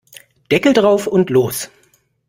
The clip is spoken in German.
Deckel drauf und los!